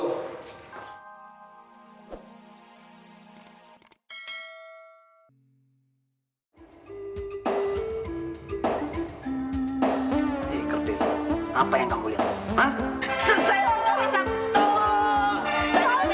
hei kertir apa yang kamu lihat